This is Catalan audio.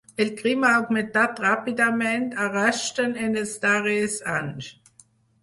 El crim ha augmentat ràpidament a Rushden en els darrers anys.